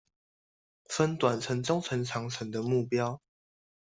分短程中程長程的目標